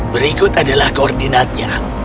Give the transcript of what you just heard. berikut adalah koordinatnya